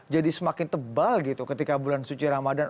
jadi semakin tebal gitu ketika bulan suci ramadhan